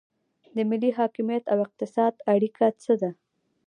د ملي حاکمیت او اقتصاد اړیکه څه ده؟